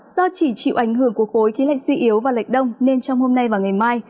do chỉ chịu ảnh hưởng của khối khí lạnh suy yếu và lệch đông nên trong hôm nay và ngày mai